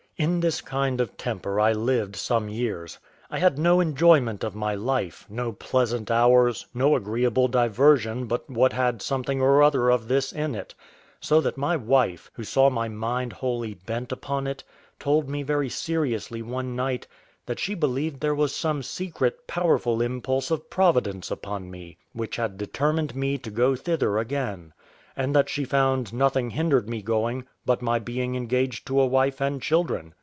In this kind of temper I lived some years; I had no enjoyment of my life, no pleasant hours, no agreeable diversion but what had something or other of this in it; so that my wife, who saw my mind wholly bent upon it, told me very seriously one night that she believed there was some secret, powerful impulse of Providence upon me, which had determined me to go thither again; and that she found nothing hindered me going but my being engaged to a wife and children.